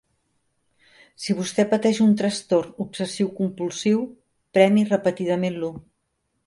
Si vostè pateix un trastorn obsessiu-compulsiu, premi repetidament l’u.